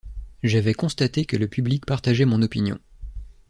J'avais constaté que le public partageait mon opinion.